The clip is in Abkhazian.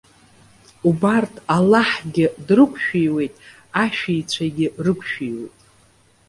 Убарҭ Аллаҳгьы дрықәшәиуеит, ашәиицәагьы рықәшәиуеит.